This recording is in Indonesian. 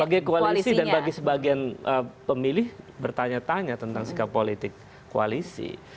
sebagai koalisi dan bagi sebagian pemilih bertanya tanya tentang sikap politik koalisi